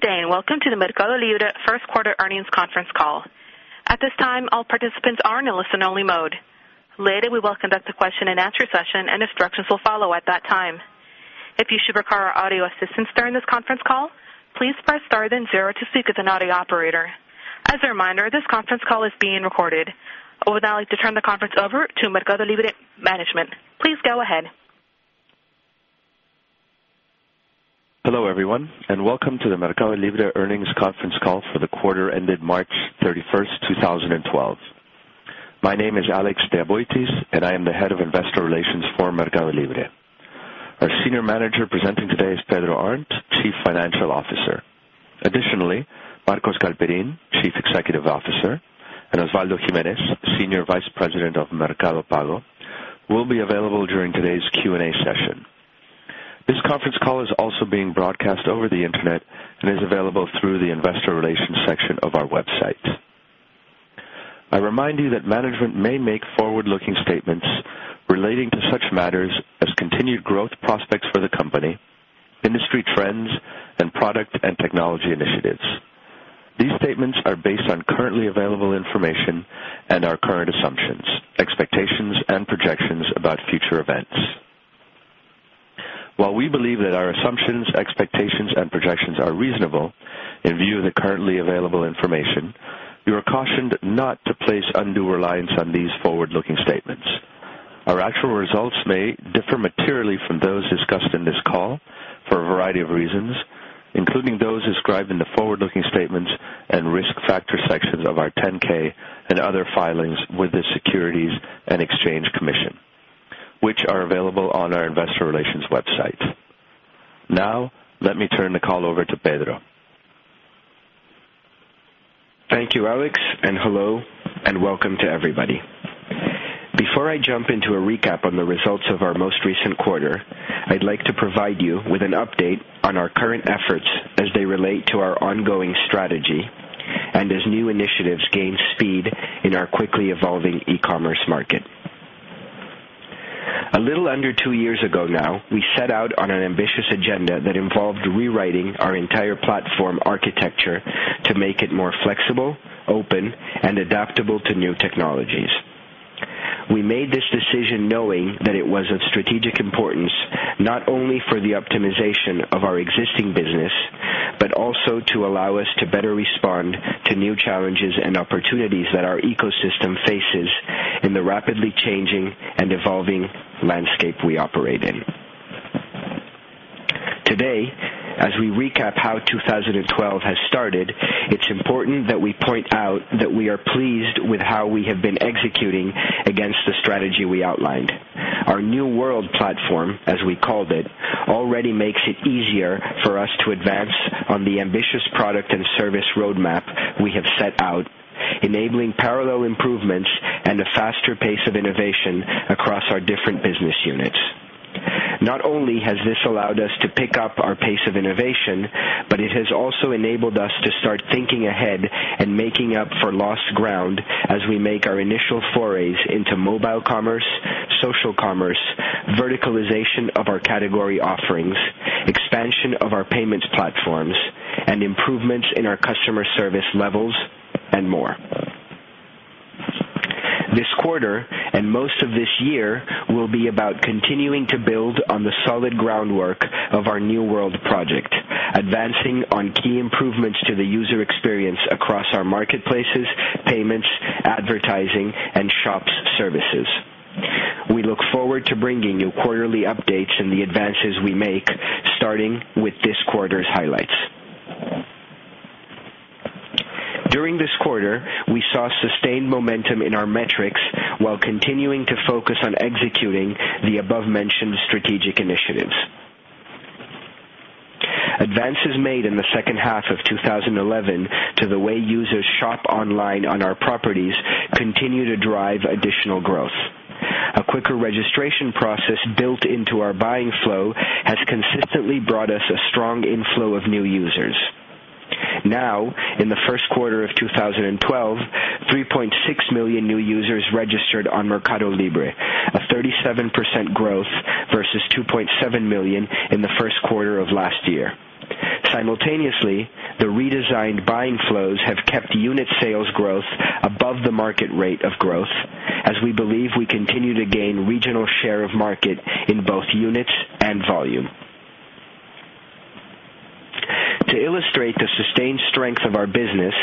Good day, welcome to the MercadoLibre First Quarter Earnings Conference Call. At this time, all participants are in listen-only mode. Later, we will conduct a question-and-answer session, instructions will follow at that time. If you should require audio assistance during this conference call, please press star then zero to speak with an audio operator. As a reminder, this conference call is being recorded. I would now like to turn the conference over to MercadoLibre management. Please go ahead. Hello, everyone, welcome to the MercadoLibre Earnings Conference Call for the quarter ended March 31st, 2012. My name is Alex DeBoitis, I am the Head of Investor Relations for MercadoLibre. Our Senior Manager presenting today is Pedro Arnt, Chief Financial Officer. Additionally, Marcos Galperin, Chief Executive Officer, and Osvaldo Gimenez, Senior Vice President of Mercado Pago, will be available during today's Q&A session. This conference call is also being broadcast over the internet and is available through the investor relations section of our website. I remind you that management may make forward-looking statements relating to such matters as continued growth prospects for the company, industry trends, and product and technology initiatives. These statements are based on currently available information and our current assumptions, expectations, and projections about future events. While we believe that our assumptions, expectations, and projections are reasonable in view of the currently available information, you are cautioned not to place undue reliance on these forward-looking statements. Our actual results may differ materially from those discussed in this call for a variety of reasons, including those described in the forward-looking statements and risk factor sections of our 10-K and other filings with the Securities and Exchange Commission, which are available on our investor relations website. Let me turn the call over to Pedro. Thank you, Alex, and hello, and welcome to everybody. Before I jump into a recap on the results of our most recent quarter, I'd like to provide you with an update on our current efforts as they relate to our ongoing strategy and as new initiatives gain speed in our quickly evolving e-commerce market. A little under two years ago now, we set out on an ambitious agenda that involved rewriting our entire platform architecture to make it more flexible, open, and adaptable to new technologies. We made this decision knowing that it was of strategic importance, not only for the optimization of our existing business, but also to allow us to better respond to new challenges and opportunities that our ecosystem faces in the rapidly changing and evolving landscape we operate in. Today, as we recap how 2012 has started, it's important that we point out that we are pleased with how we have been executing against the strategy we outlined. Our New World platform, as we called it, already makes it easier for us to advance on the ambitious product and service roadmap we have set out, enabling parallel improvements and a faster pace of innovation across our different business units. Not only has this allowed us to pick up our pace of innovation, but it has also enabled us to start thinking ahead and making up for lost ground as we make our initial forays into mobile commerce, social commerce, verticalization of our category offerings, expansion of our payment platforms, and improvements in our customer service levels, and more. This quarter, and most of this year, will be about continuing to build on the solid groundwork of our New World project, advancing on key improvements to the user experience across our marketplaces, payments, advertising, and shops' services. We look forward to bringing you quarterly updates and the advances we make, starting with this quarter's highlights. During this quarter, we saw sustained momentum in our metrics while continuing to focus on executing the above-mentioned strategic initiatives. Advances made in the second half of 2011 to the way users shop online on our properties continue to drive additional growth. A quicker registration process built into our buying flow has consistently brought us a strong inflow of new users. Now, in the first quarter of 2012, 3.6 million new users registered on MercadoLibre, a 37% growth versus 2.7 million in the first quarter of last year. Simultaneously, the redesigned buying flows have kept unit sales growth above the market rate of growth as we believe we continue to gain regional share of market in both units and volume. To illustrate the sustained strength of our business,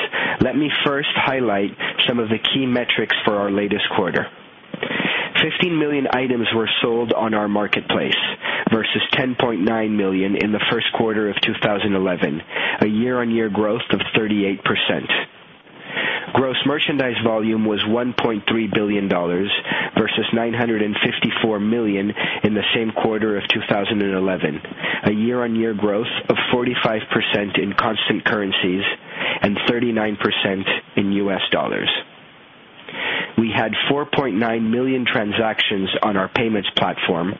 let me first highlight some of the key metrics for our latest quarter. 15 million items were sold on our marketplace versus 10.9 million in the first quarter of 2011, a year-on-year growth of 38%. Gross merchandise volume was $1.3 billion versus $954 million in the same quarter of 2011, a year-on-year growth of 45% in constant currencies and 39% in US dollars. We had 4.9 million transactions on our payments platform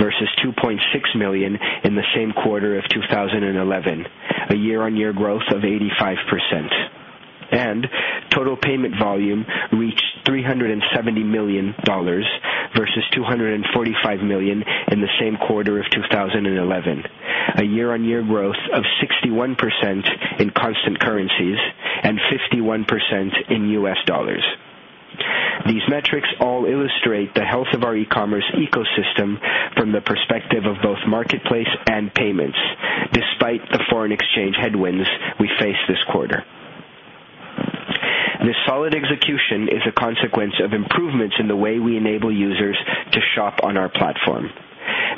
versus 2.6 million in the same quarter of 2011, a year-on-year growth of 85%. Total payment volume reached $370 million versus $245 million in the same quarter of 2011, a year-on-year growth of 61% in constant currencies and 51% in US dollars. These metrics all illustrate the health of our e-commerce ecosystem from the perspective of both marketplace and payments, despite the foreign exchange headwinds we faced this quarter. This solid execution is a consequence of improvements in the way we enable users to shop on our platform.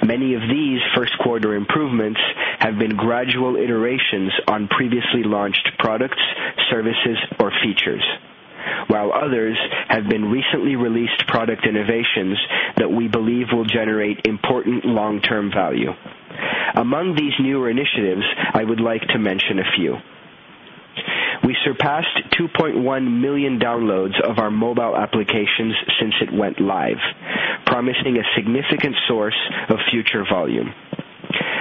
Many of these first quarter improvements have been gradual iterations on previously launched products, services, or features, while others have been recently released product innovations that we believe will generate important long-term value. Among these newer initiatives, I would like to mention a few. We surpassed 2.1 million downloads of our mobile applications since it went live, promising a significant source of future volume.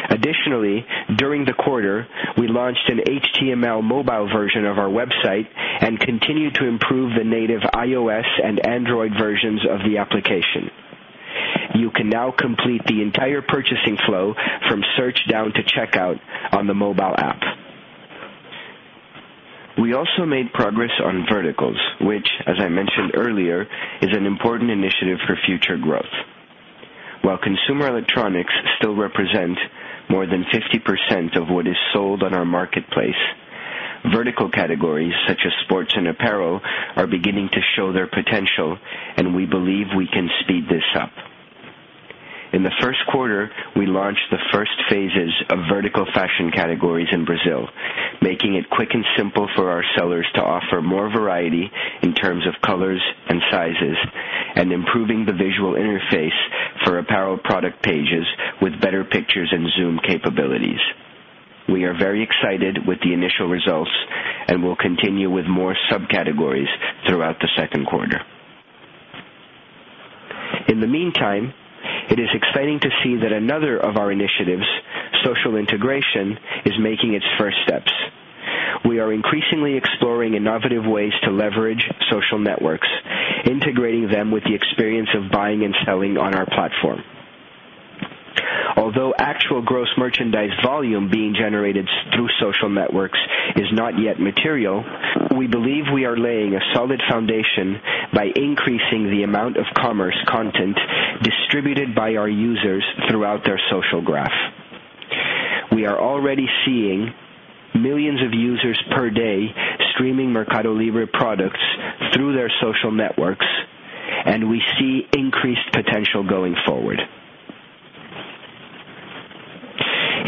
Additionally, during the quarter, we launched an HTML mobile version of our website and continued to improve the native iOS and Android versions of the application. You can now complete the entire purchasing flow from search down to checkout on the mobile app. We also made progress on verticals, which as I mentioned earlier, is an important initiative for future growth. While consumer electronics still represent more than 50% of what is sold on our marketplace, vertical categories such as sports and apparel are beginning to show their potential, and we believe we can speed this up. In the first quarter, we launched the first phases of vertical fashion categories in Brazil, making it quick and simple for our sellers to offer more variety in terms of colors and sizes, and improving the visual interface for apparel product pages with better pictures and zoom capabilities. We are very excited with the initial results and will continue with more subcategories throughout the second quarter. In the meantime, it is exciting to see that another of our initiatives, social integration, is making its first steps. We are increasingly exploring innovative ways to leverage social networks, integrating them with the experience of buying and selling on our platform. Although actual gross merchandise volume being generated through social networks is not yet material, we believe we are laying a solid foundation by increasing the amount of commerce content distributed by our users throughout their social graph. We are already seeing millions of users per day streaming MercadoLibre products through their social networks, and we see increased potential going forward.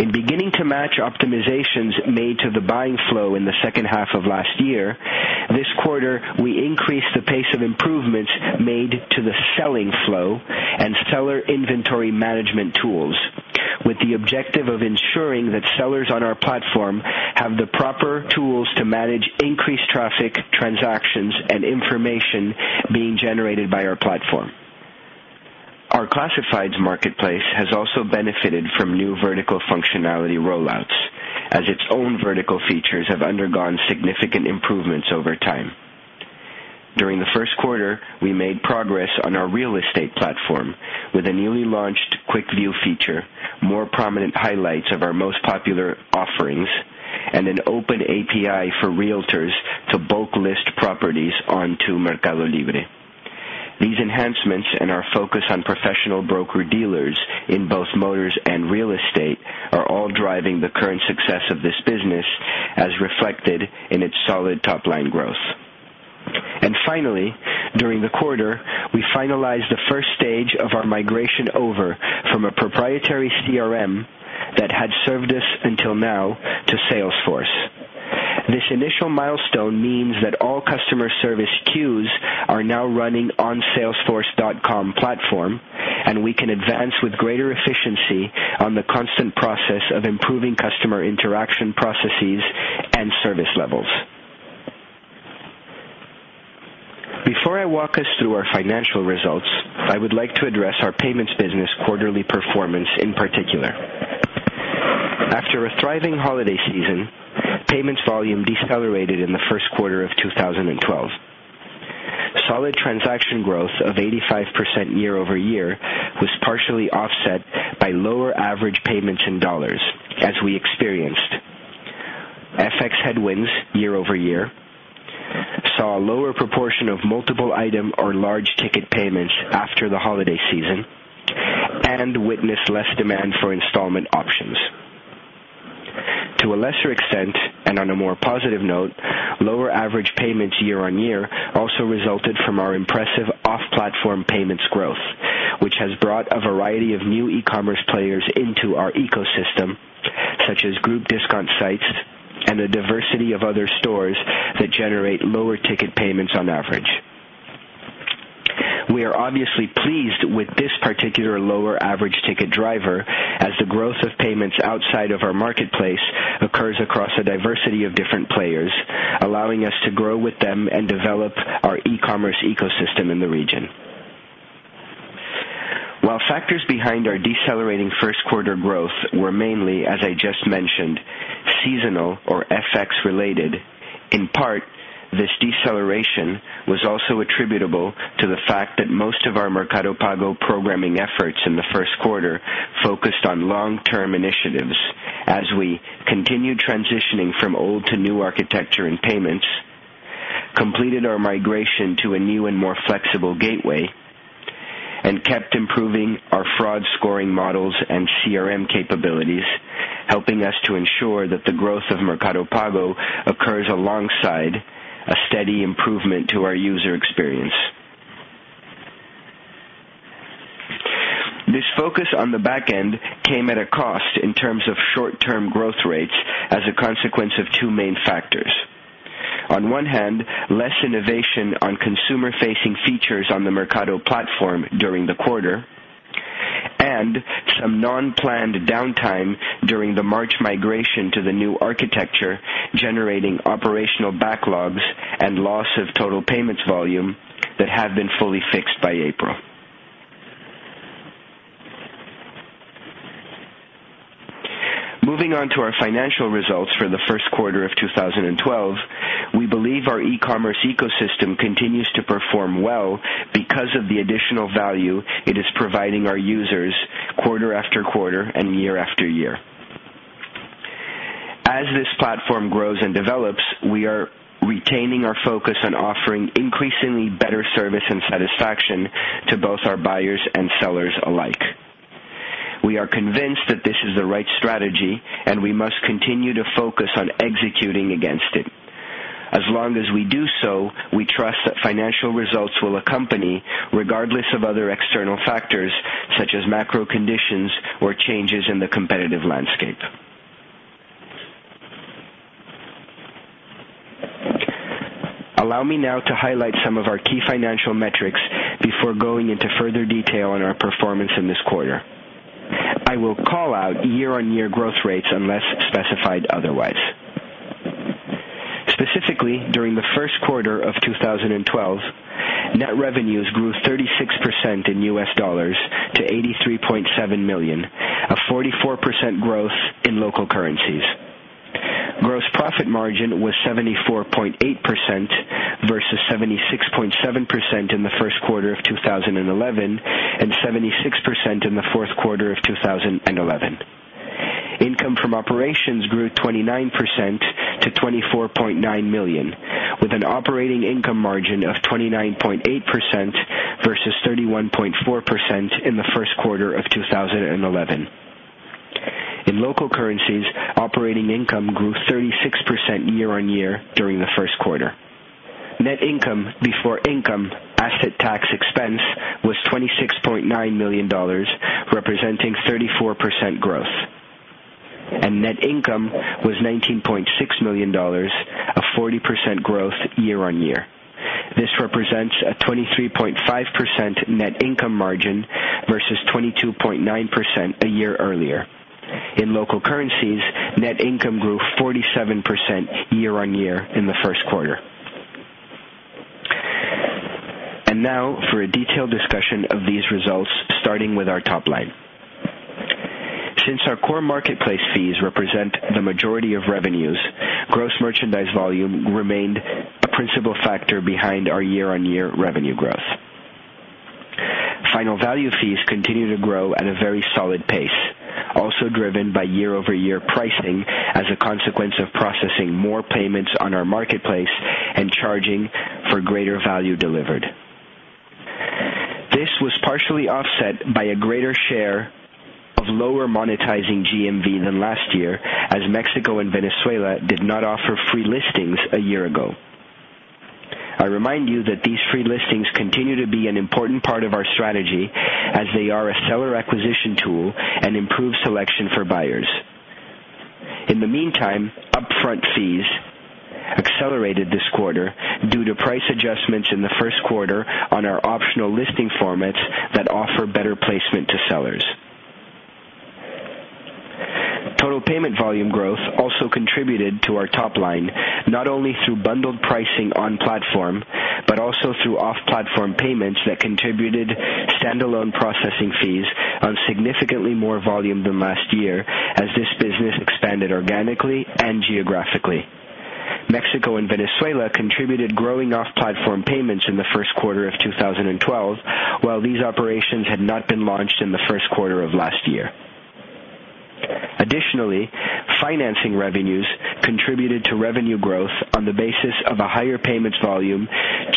In beginning to match optimizations made to the buying flow in the second half of last year, this quarter, we increased the pace of improvements made to the selling flow and seller inventory management tools with the objective of ensuring that sellers on our platform have the proper tools to manage increased traffic, transactions, and information being generated by our platform. Our classifieds marketplace has also benefited from new vertical functionality rollouts, as its own vertical features have undergone significant improvements over time. During the first quarter, we made progress on our real estate platform with a newly launched quick view feature, more prominent highlights of our most popular offerings, and an open API for realtors to bulk list properties onto MercadoLibre. Finally, during the quarter, we finalized the first stage of our migration over from a proprietary CRM that had served us until now to Salesforce. This initial milestone means that all customer service queues are now running on salesforce.com platform, and we can advance with greater efficiency on the constant process of improving customer interaction processes and service levels. Before I walk us through our financial results, I would like to address our payments business quarterly performance in particular. After a thriving holiday season, payments volume decelerated in the first quarter of 2012. Solid transaction growth of 85% year-over-year was partially offset by lower average payments in US dollars as we experienced FX headwinds year-over-year, saw a lower proportion of multiple item or large ticket payments after the holiday season, and witnessed less demand for installment options. To a lesser extent, and on a more positive note, lower average payments year-on-year also resulted from our impressive off-platform payments growth, which has brought a variety of new e-commerce players into our ecosystem, such as group discount sites and a diversity of other stores that generate lower ticket payments on average. We are obviously pleased with this particular lower average ticket driver as the growth of payments outside of our marketplace occurs across a diversity of different players, allowing us to grow with them and develop our e-commerce ecosystem in the region. While factors behind our decelerating first quarter growth were mainly, as I just mentioned, seasonal or FX-related, in part, this deceleration was also attributable to the fact that most of our Mercado Pago programming efforts in the first quarter focused on long-term initiatives as we continued transitioning from Old World to New World architecture and payments, completed our migration to a new and more flexible gateway, and kept improving our fraud scoring models and CRM capabilities, helping us to ensure that the growth of Mercado Pago occurs alongside a steady improvement to our user experience. This focus on the back end came at a cost in terms of short-term growth rates as a consequence of two main factors. On one hand, less innovation on consumer-facing features on the Mercado platform during the quarter and some non-planned downtime during the March migration to the New World architecture, generating operational backlogs and loss of total payments volume that have been fully fixed by April. Moving on to our financial results for the first quarter of 2012. We believe our e-commerce ecosystem continues to perform well because of the additional value it is providing our users quarter after quarter and year after year. As this platform grows and develops, we are retaining our focus on offering increasingly better service and satisfaction to both our buyers and sellers alike. We are convinced that this is the right strategy, and we must continue to focus on executing against it. As long as we do so, we trust that financial results will accompany, regardless of other external factors such as macro conditions or changes in the competitive landscape. Allow me now to highlight some of our key financial metrics before going into further detail on our performance in this quarter. I will call out year-on-year growth rates unless specified otherwise. Specifically, during the first quarter of 2012, net revenues grew 36% in US dollars to $83.7 million, a 44% growth in local currencies. Gross profit margin was 74.8% versus 76.7% in the first quarter of 2011 and 76% in the fourth quarter of 2011. Income from operations grew 29% to $24.9 million, with an operating income margin of 29.8% versus 31.4% in the first quarter of 2011. In local currencies, operating income grew 36% year-on-year during the first quarter. Net income before income asset tax expense was $26.9 million, representing 34% growth. Net income was $19.6 million, a 40% growth year-on-year. This represents a 23.5% net income margin versus 22.9% a year earlier. In local currencies, net income grew 47% year-on-year in the first quarter. Now for a detailed discussion of these results, starting with our top line. Since our core marketplace fees represent the majority of revenues, gross merchandise volume remained a principal factor behind our year-on-year revenue growth. Final value fees continue to grow at a very solid pace, also driven by year-over-year pricing as a consequence of processing more payments on our marketplace and charging for greater value delivered. This was partially offset by a greater share of lower monetizing GMV than last year, as Mexico and Venezuela did not offer free listings a year ago. I remind you that these free listings continue to be an important part of our strategy as they are a seller acquisition tool and improve selection for buyers. In the meantime, upfront fees accelerated this quarter due to price adjustments in the first quarter on our optional listing formats that offer better placement to sellers. Total payment volume growth also contributed to our top line, not only through bundled pricing on platform, but also through off-platform payments that contributed standalone processing fees on significantly more volume than last year as this business expanded organically and geographically. Mexico and Venezuela contributed growing off-platform payments in the first quarter of 2012, while these operations had not been launched in the first quarter of last year. Additionally, financing revenues contributed to revenue growth on the basis of a higher payments volume,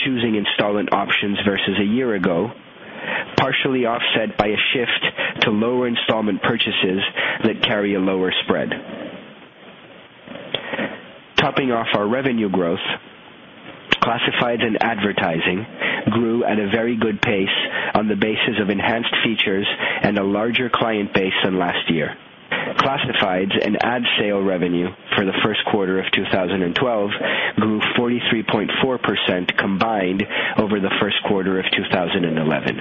choosing installment options versus a year ago, partially offset by a shift to lower installment purchases that carry a lower spread. Topping off our revenue growth, classifieds and advertising grew at a very good pace on the basis of enhanced features and a larger client base than last year. Classifieds and ad sale revenue for the first quarter of 2012 grew 43.4% combined over the first quarter of 2011.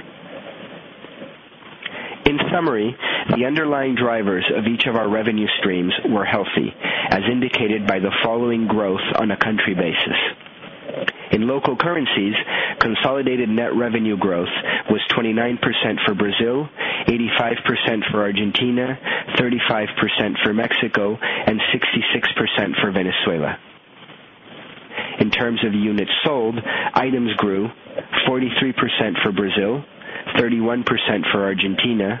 In summary, the underlying drivers of each of our revenue streams were healthy, as indicated by the following growth on a country basis. In local currencies, consolidated net revenue growth was 29% for Brazil, 85% for Argentina, 35% for Mexico, and 66% for Venezuela. In terms of units sold, items grew 43% for Brazil, 31% for Argentina,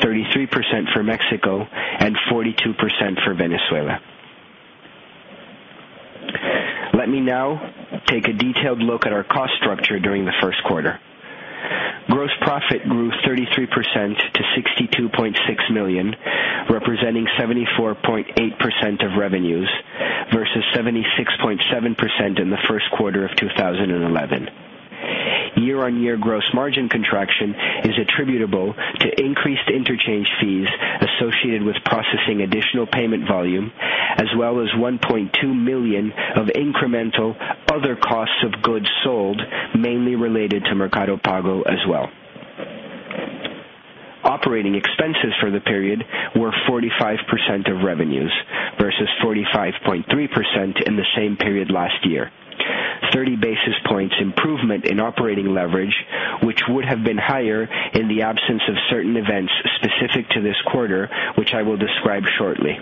33% for Mexico, and 42% for Venezuela. Let me now take a detailed look at our cost structure during the first quarter. Gross profit grew 33% to $62.6 million, representing 74.8% of revenues versus 76.7% in the first quarter of 2011. Year-on-year gross margin contraction is attributable to increased interchange fees associated with processing additional payment volume, as well as $1.2 million of incremental other costs of goods sold, mainly related to Mercado Pago as well. Operating expenses for the period were 45% of revenues versus 45.3% in the same period last year. 30 basis points improvement in operating leverage, which would have been higher in the absence of certain events specific to this quarter, which I will describe shortly.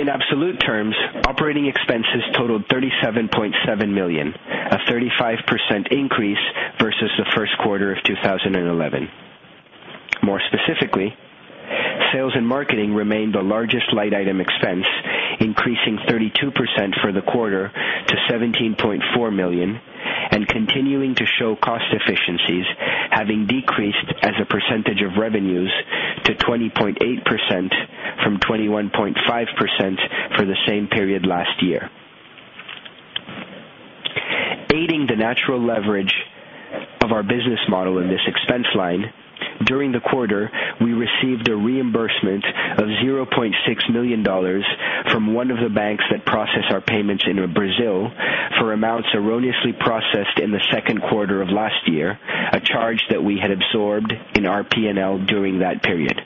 In absolute terms, operating expenses totaled $37.7 million, a 35% increase versus the first quarter of 2011. More specifically, sales and marketing remained the largest line item expense, increasing 32% for the quarter to $17.4 million, and continuing to show cost efficiencies, having decreased as a percentage of revenues to 20.8% from 21.5% for the same period last year. Aiding the natural leverage of our business model in this expense line, during the quarter, we received a reimbursement of $0.6 million from one of the banks that process our payments in Brazil for amounts erroneously processed in the second quarter of last year, a charge that we had absorbed in our P&L during that period.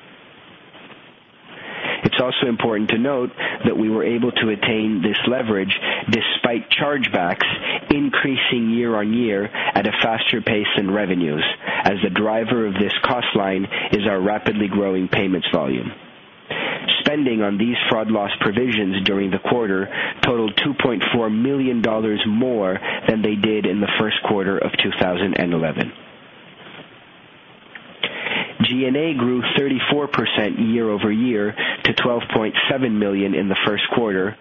It's also important to note that we were able to attain this leverage despite charge-backs increasing year-over-year at a faster pace than revenues, as the driver of this cost line is our rapidly growing payments volume. Spending on these fraud loss provisions during the quarter totaled $2.4 million more than they did in the first quarter of 2011. G&A grew 34% year-over-year to $12.7 million in the first quarter,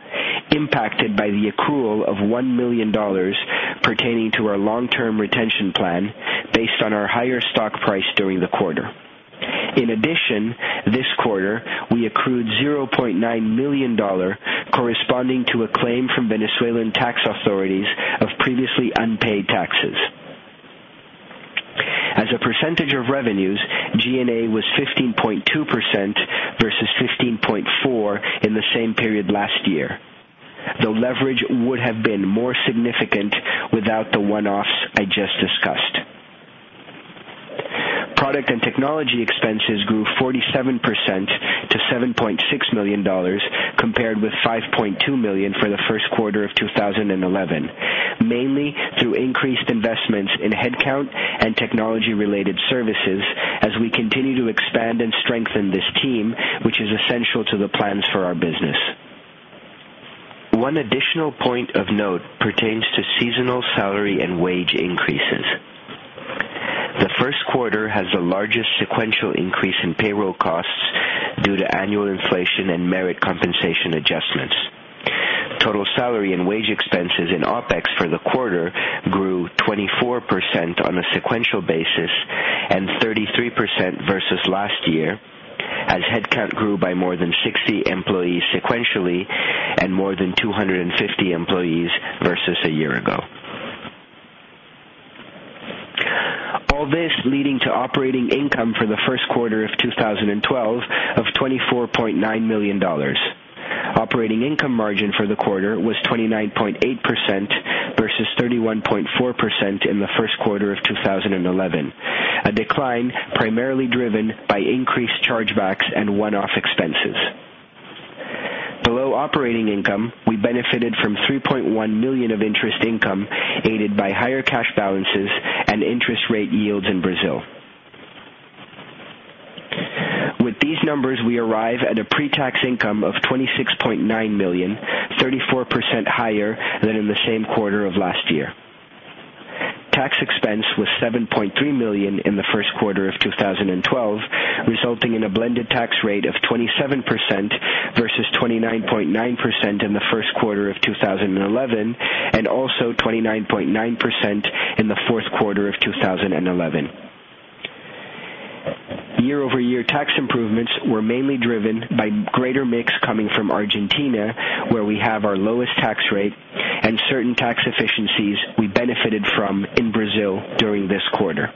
impacted by the accrual of $1 million pertaining to our long-term retention plan based on our higher stock price during the quarter. This quarter, we accrued $0.9 million corresponding to a claim from Venezuelan tax authorities of previously unpaid taxes. As a percentage of revenues, G&A was 15.2% versus 15.4% in the same period last year. The leverage would have been more significant without the one-offs I just discussed. Product and technology expenses grew 47% to $7.6 million compared with $5.2 million for the first quarter of 2011, mainly through increased investments in headcount and technology-related services as we continue to expand and strengthen this team, which is essential to the plans for our business. One additional point of note pertains to seasonal salary and wage increases. The first quarter has the largest sequential increase in payroll costs due to annual inflation and merit compensation adjustments. Total salary and wage expenses in OpEx for the quarter grew 24% on a sequential basis and 33% versus last year, as headcount grew by more than 60 employees sequentially and more than 250 employees versus a year ago. All this leading to operating income for the first quarter of 2012 of $24.9 million. Operating income margin for the quarter was 29.8% versus 31.4% in the first quarter of 2011, a decline primarily driven by increased charge-backs and one-off expenses. Below operating income, we benefited from $3.1 million of interest income aided by higher cash balances and interest rate yields in Brazil. With these numbers, we arrive at a pre-tax income of $26.9 million, 34% higher than in the same quarter of last year. Tax expense was $7.3 million in the first quarter of 2012, resulting in a blended tax rate of 27% versus 29.9% in the first quarter of 2011, and also 29.9% in the fourth quarter of 2011. Year-over-year tax improvements were mainly driven by greater mix coming from Argentina, where we have our lowest tax rate, and certain tax efficiencies we benefited from in Brazil during this quarter.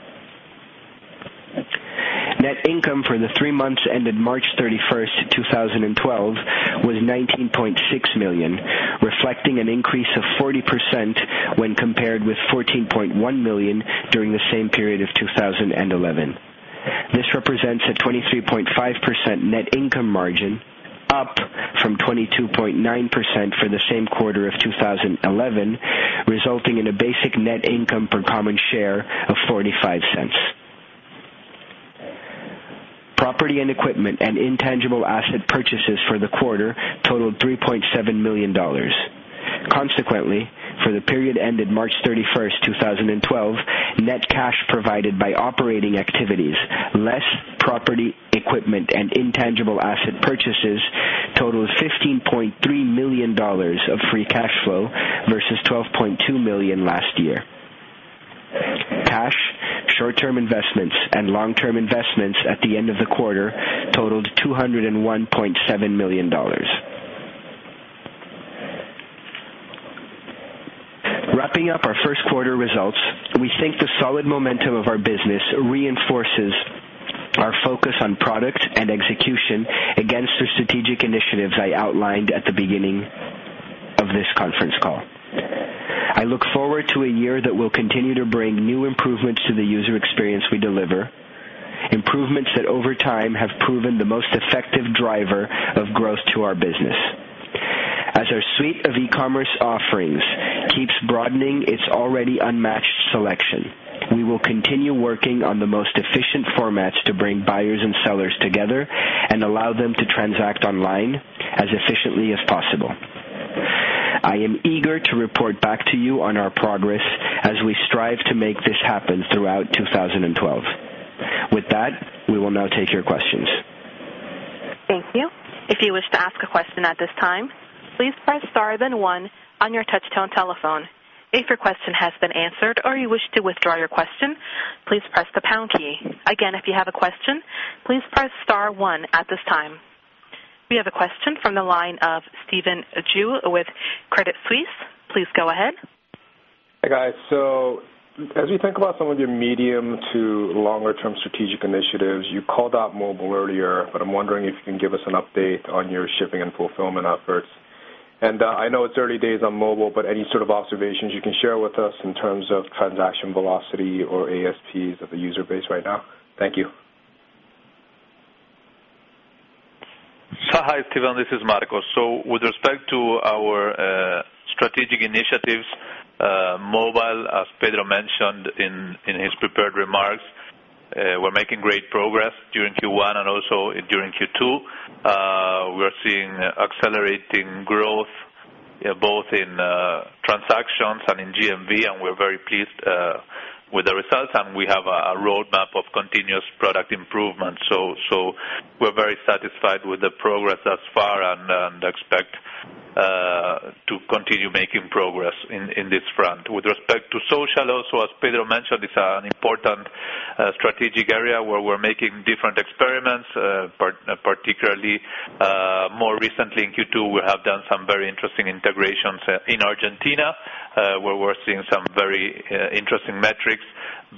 Net income for the three months ended March 31st, 2012, was $19.6 million, reflecting an increase of 40% when compared with $14.1 million during the same period of 2011. This represents a 23.5% net income margin, up from 22.9% for the same quarter of 2011, resulting in a basic net income per common share of $0.45. Property and equipment and intangible asset purchases for the quarter totaled $3.7 million. Consequently, for the period ended March 31st, 2012, net cash provided by operating activities, less property, equipment, and intangible asset purchases totaled $15.3 million of free cash flow versus $12.2 million last year. Cash, short-term investments, and long-term investments at the end of the quarter totaled $201.7 million. Wrapping up our first quarter results, we think the solid momentum of our business reinforces our focus on product and execution against the strategic initiatives I outlined at the beginning of this conference call. I look forward to a year that will continue to bring new improvements to the user experience we deliver, improvements that over time have proven the most effective driver of growth to our business. As our suite of e-commerce offerings keeps broadening its already unmatched selection, we will continue working on the most efficient formats to bring buyers and sellers together and allow them to transact online as efficiently as possible. I am eager to report back to you on our progress as we strive to make this happen throughout 2012. With that, we will now take your questions. Thank you. If you wish to ask a question at this time, please press star then one on your touchtone telephone. If your question has been answered or you wish to withdraw your question, please press the pound key. Again, if you have a question, please press star one at this time. We have a question from the line of Stephen Ju with Credit Suisse. Please go ahead. Hi, guys. As we think about some of your medium to longer term strategic initiatives, you called out mobile earlier, but I'm wondering if you can give us an update on your shipping and fulfillment efforts. I know it's early days on mobile, but any sort of observations you can share with us in terms of transaction velocity or ASPs of the user base right now? Thank you. Hi, Stephen. This is Marcos. With respect to our strategic initiatives, mobile, as Pedro mentioned in his prepared remarks, we're making great progress during Q1 and also during Q2. We're seeing accelerating growth both in transactions and in GMV, and we're very pleased with the results, and we have a roadmap of continuous product improvement. We're very satisfied with the progress thus far and expect to continue making progress in this front. With respect to social also, as Pedro mentioned, it's an important strategic area where we're making different experiments. Particularly, more recently in Q2, we have done some very interesting integrations in Argentina, where we're seeing some very interesting metrics,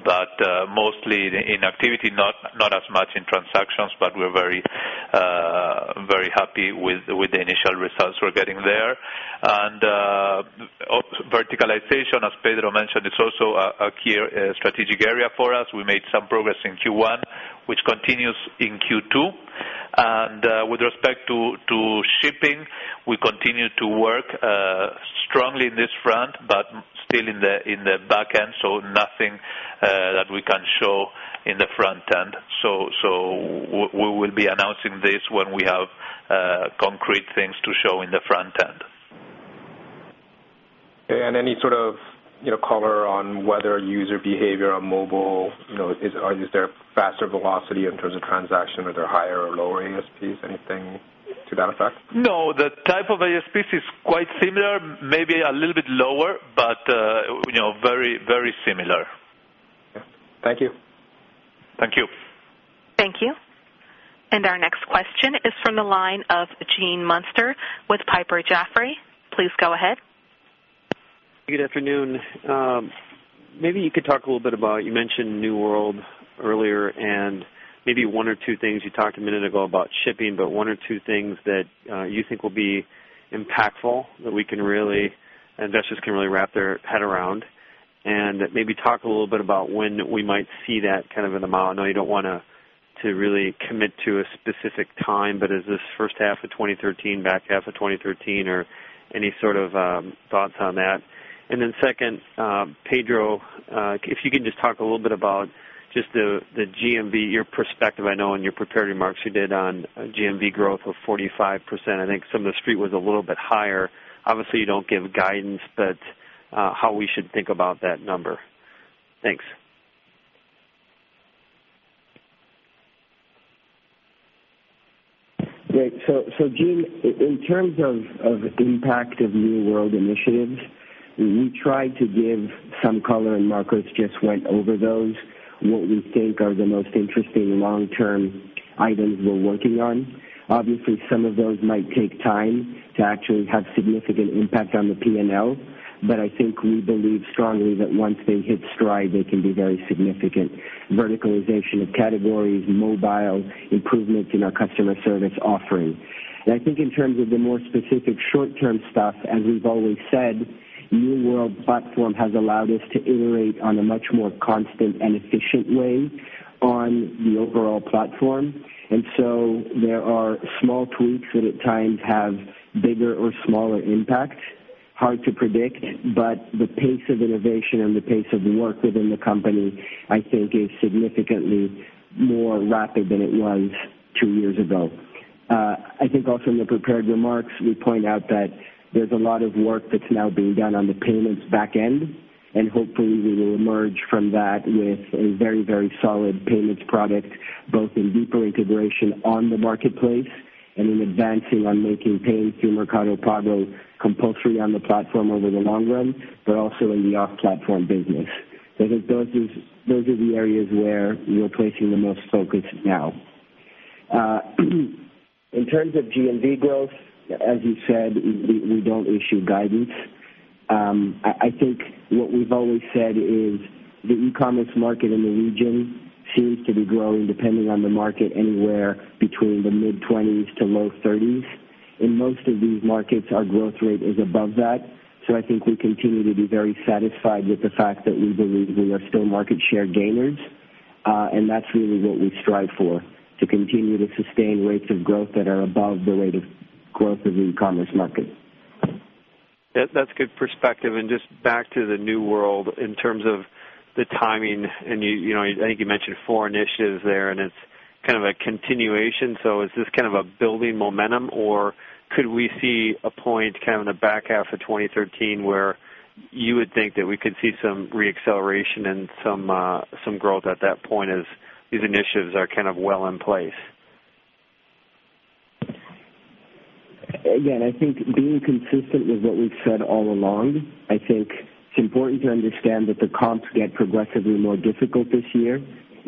but mostly in activity, not as much in transactions, but we're very happy with the initial results we're getting there. Verticalization, as Pedro mentioned, is also a key strategic area for us. We made some progress in Q1, which continues in Q2. With respect to shipping, we continue to work strongly in this front, but still in the back end, so nothing that we can show in the front end. We will be announcing this when we have concrete things to show in the front end. Okay. Any sort of color on whether user behavior on mobile, is there faster velocity in terms of transaction? Are there higher or lower ASPs? Anything to that effect? No, the type of ASPs is quite similar, maybe a little bit lower, but very similar. Okay. Thank you. Thank you. Thank you. Our next question is from the line of Gene Munster with Piper Jaffray. Please go ahead. Good afternoon. Maybe you could talk a little bit about, you mentioned New World earlier, maybe one or two things. You talked a minute ago about shipping, but one or two things that you think will be impactful that investors can really wrap their head around. Maybe talk a little bit about when we might see that kind of in the model. I know you don't want to really commit to a specific time, but is this first half of 2013, back half of 2013, or any sort of thoughts on that? Then second, Pedro, if you can just talk a little bit about just the GMV, your perspective, I know in your prepared remarks you did on GMV growth of 45%. I think some of the Street was a little bit higher. Obviously, you don't give guidance, but how we should think about that number. Thanks. Great. Gene, in terms of impact of New World initiatives, we tried to give some color, and Marcos just went over those, what we think are the most interesting long-term items we're working on. Obviously, some of those might take time to actually have significant impact on the P&L. I think we believe strongly that once they hit stride, they can be very significant. Verticalization of categories, mobile, improvement in our customer service offering. I think in terms of the more specific short-term stuff, as we've always said, New World platform has allowed us to iterate on a much more constant and efficient way on the overall platform. There are small tweaks that, at times, have bigger or smaller impact, hard to predict, but the pace of innovation and the pace of the work within the company, I think, is significantly more rapid than it was two years ago. I think also in the prepared remarks, we point out that there's a lot of work that's now being done on the payments backend, and hopefully we will emerge from that with a very solid payments product, both in deeper integration on the marketplace and in advancing on making payments through Mercado Pago compulsory on the platform over the long run, but also in the off-platform business. I think those are the areas where we are placing the most focus now. In terms of GMV growth, as you said, we don't issue guidance. I think what we've always said is the e-commerce market in the region seems to be growing, depending on the market, anywhere between the mid-20s to low 30s. In most of these markets, our growth rate is above that. I think we continue to be very satisfied with the fact that we believe we are still market share gainers. That's really what we strive for, to continue to sustain rates of growth that are above the rate of growth of the e-commerce market. That's good perspective, just back to the New World in terms of the timing, I think you mentioned four initiatives there, it's kind of a continuation. Is this a building momentum, or could we see a point in the back half of 2013 where you would think that we could see some re-acceleration and some growth at that point as these initiatives are well in place? Again, I think being consistent with what we've said all along, I think it's important to understand that the comps get progressively more difficult this year,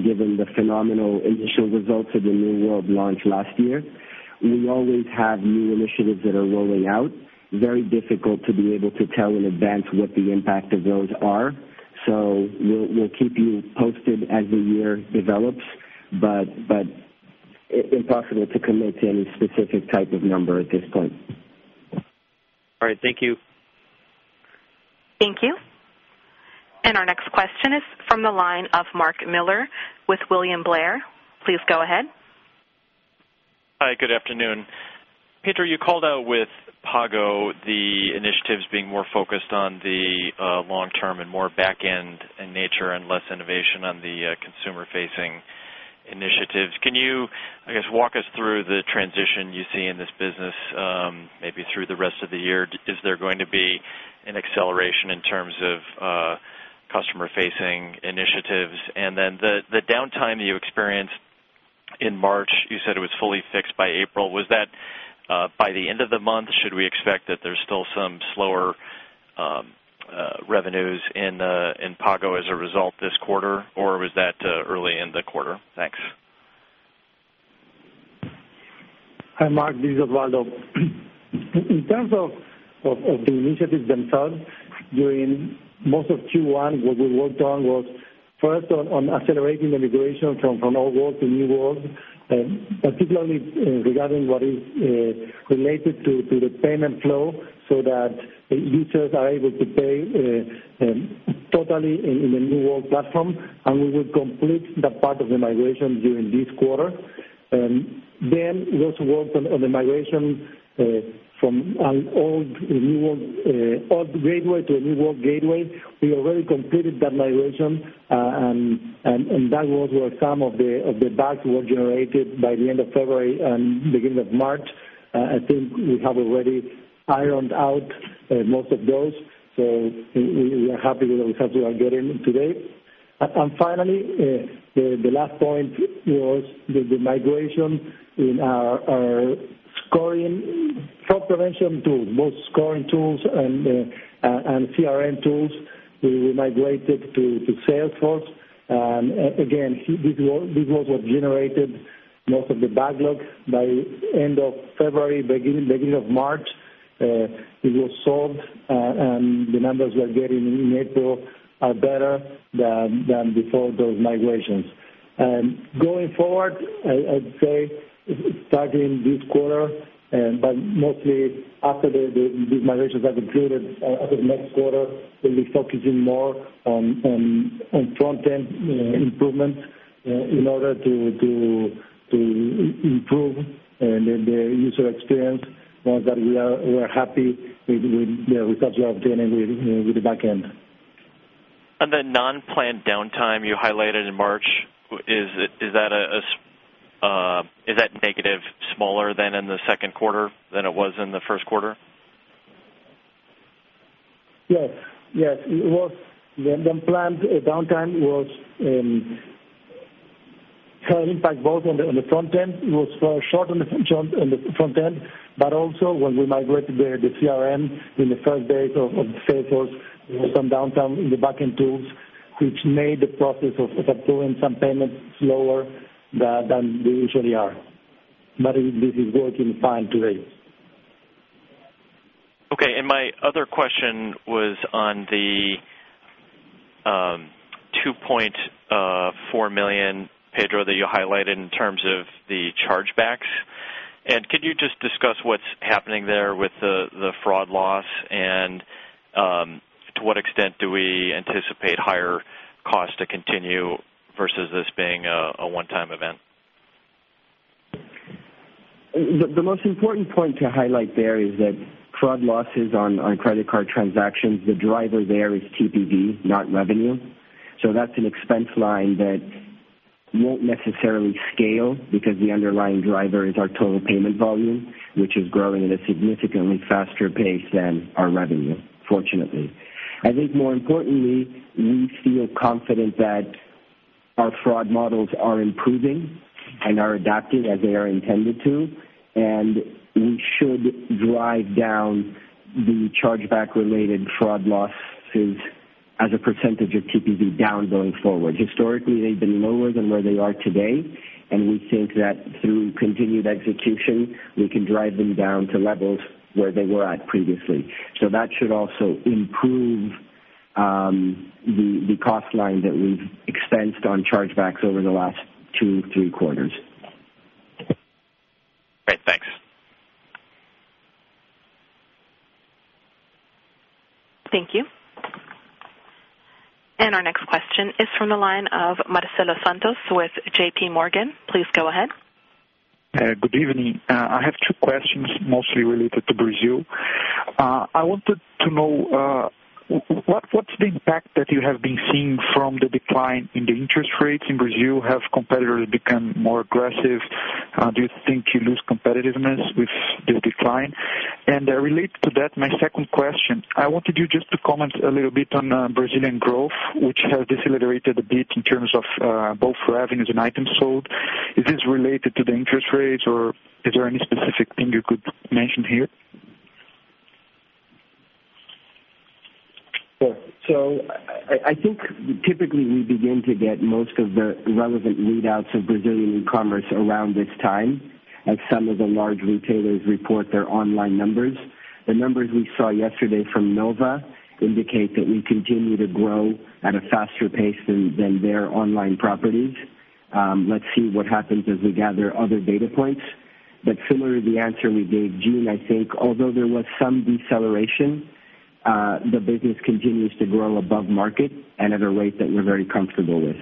given the phenomenal initial results of the New World launch last year. We always have new initiatives that are rolling out. Very difficult to be able to tell in advance what the impact of those are. We'll keep you posted as the year develops, but impossible to commit to any specific type of number at this point. All right. Thank you. Thank you. Our next question is from the line of Mark Miller with William Blair. Please go ahead. Hi, good afternoon. Pedro, you called out with Pago, the initiatives being more focused on the long-term and more back end in nature and less innovation on the consumer-facing initiatives. Can you, I guess, walk us through the transition you see in this business, maybe through the rest of the year? Is there going to be an acceleration in terms of customer-facing initiatives? Then the downtime that you experienced in March, you said it was fully fixed by April. Was that by the end of the month? Should we expect that there's still some slower revenues in Pago as a result this quarter, or was that early in the quarter? Thanks. Hi, Mark. This is Osvaldo. In terms of the initiatives themselves, during most of Q1, what we worked on was first on accelerating the migration from Old World to New World, particularly regarding what is related to the payment flow so that users are able to pay totally in the New World platform, and we will complete that part of the migration during this quarter. We also worked on the migration from an old gateway to a New World gateway. We already completed that migration, and that was where some of the bugs were generated by the end of February and beginning of March. I think we have already ironed out most of those. We are happy with the results we are getting today. Finally, the last point was the migration in our fraud prevention tools, both scoring tools and CRM tools. We migrated to Salesforce. Again, this was what generated most of the backlog. By end of February, beginning of March, it was solved, and the numbers we are getting in April are better than before those migrations. Going forward, I'd say starting this quarter, but mostly after these migrations are concluded, after next quarter, we'll be focusing more on front-end improvements in order to improve the user experience now that we are happy with the results we are obtaining with the back end. On the non-planned downtime you highlighted in March, is that negative smaller than in the second quarter than it was in the first quarter? Yes. The unplanned downtime had an impact both on the front end. It was short on the front end, but also when we migrated the CRM in the first days of Salesforce, there was some downtime in the backend tools, which made the process of approving some payments slower than they usually are. This is working fine today. My other question was on the $2.4 million, Pedro, that you highlighted in terms of the chargebacks. Could you just discuss what's happening there with the fraud loss and to what extent do we anticipate higher costs to continue versus this being a one-time event? The most important point to highlight there is that fraud losses on credit card transactions, the driver there is TPV, not revenue. That's an expense line that won't necessarily scale because the underlying driver is our total payment volume, which is growing at a significantly faster pace than our revenue, fortunately. I think more importantly, we feel confident that our fraud models are improving and are adapting as they are intended to, and we should drive down the chargeback-related fraud losses as a percentage of TPV down going forward. Historically, they've been lower than where they are today, and we think that through continued execution, we can drive them down to levels where they were at previously. That should also improve the cost line that we've expensed on chargebacks over the last two, three quarters. Great. Thanks. Thank you. Our next question is from the line of Marcelo Santos with JP Morgan. Please go ahead. Good evening. I have two questions, mostly related to Brazil. I wanted to know what's the impact that you have been seeing from the decline in the interest rates in Brazil? Have competitors become more aggressive? Do you think you lose competitiveness with the decline? Related to that, my second question, I wanted you just to comment a little bit on Brazilian growth, which has decelerated a bit in terms of both revenues and items sold. Is this related to the interest rates, or is there any specific thing you could mention here? Sure. I think typically we begin to get most of the relevant readouts of Brazilian commerce around this time as some of the large retailers report their online numbers. The numbers we saw yesterday from Nova indicate that we continue to grow at a faster pace than their online properties. Let's see what happens as we gather other data points. Similar to the answer we gave Gene, I think although there was some deceleration, the business continues to grow above market and at a rate that we're very comfortable with.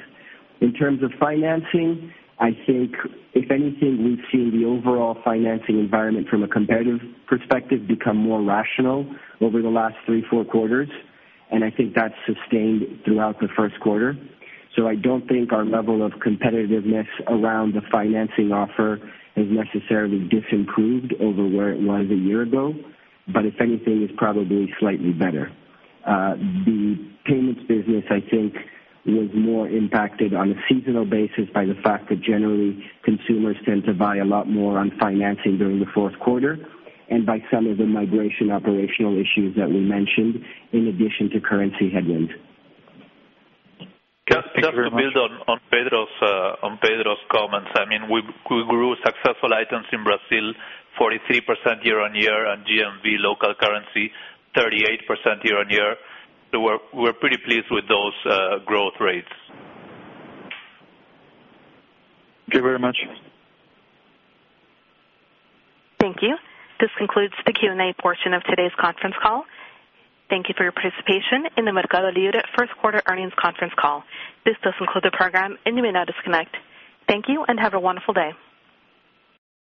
In terms of financing, I think if anything, we've seen the overall financing environment from a competitive perspective become more rational over the last three, four quarters, and I think that's sustained throughout the first quarter. I don't think our level of competitiveness around the financing offer has necessarily disimproved over where it was a year ago. If anything, it's probably slightly better. The payments business, I think, was more impacted on a seasonal basis by the fact that generally consumers tend to buy a lot more on financing during the fourth quarter and by some of the migration operational issues that we mentioned in addition to currency headwinds. Thank you very much. Just to build on Pedro's comments, we grew successful items in Brazil 43% year-over-year and GMV local currency 38% year-over-year. We're pretty pleased with those growth rates. Thank you very much. Thank you. This concludes the Q&A portion of today's conference call. Thank you for your participation in the MercadoLibre First Quarter Earnings Conference Call. This does conclude the program, and you may now disconnect. Thank you, and have a wonderful day.